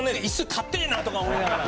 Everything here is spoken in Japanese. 硬えなとか思いながら。